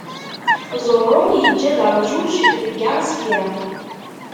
Zoro yeǧǧa-d rrjuj deg Garcia.